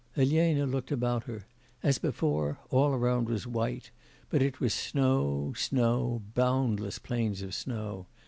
Elena looked about her; as before, all around was white; but it was snow, snow, boundless plains of snow.